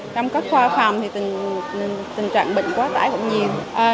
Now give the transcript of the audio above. trong các khoa phòng thì tình trạng bệnh quá tải cũng nhiều